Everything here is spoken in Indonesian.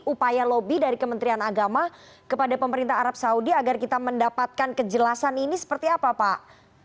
upaya lobby dari kementerian agama kepada pemerintah arab saudi agar kita mendapatkan kejelasan ini seperti apa pak